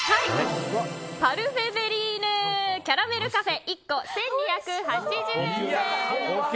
パルフェヴェリーヌキャラメルカフェ１個１２８０円です。